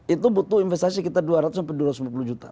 itu butuh investasi sekitar dua ratus sampai dua ratus lima puluh juta